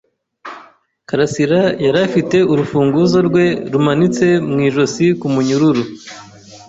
Karasirayari afite urufunguzo rwe rumanitse mu ijosi ku munyururu.